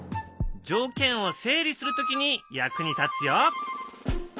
条件を整理する時に役に立つよ。